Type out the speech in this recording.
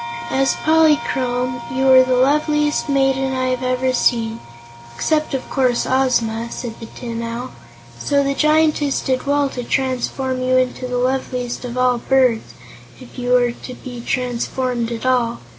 "As Polychrome, you were the loveliest maiden I have ever seen except, of course, Ozma," said the Tin Owl; "so the Giantess did well to transform you into the loveliest of all birds, if you were to be transformed at all.